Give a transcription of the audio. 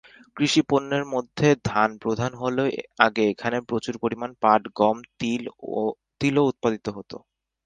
কৃষি পণ্য এর মাঝে ধান প্রধান হলেও আগে এখানে প্রচুর পরিমাণ পাট, গম, তিল ও উৎপাদিত হতো।